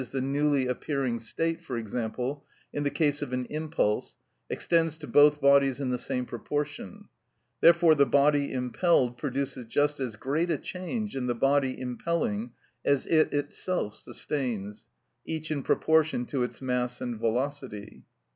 _, the newly appearing state, for example, in the case of an impulse, extends to both bodies in the same proportion; therefore the body impelled produces just as great a change in the body impelling as it itself sustains (each in proportion to its mass and velocity).